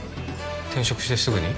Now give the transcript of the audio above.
転職してすぐに？